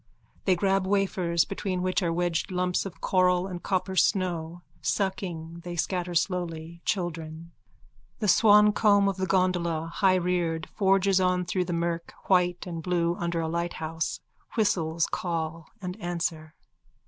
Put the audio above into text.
They grab wafers between which are wedged lumps of coral and copper snow. Sucking, they scatter slowly. Children. The swancomb of the gondola, highreared, forges on through the murk, white and blue under a lighthouse. Whistles call and answer.)